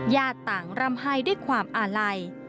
ญาติต่างร่ำไห้ด้วยความอาลัย